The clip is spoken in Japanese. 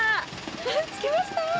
着きました！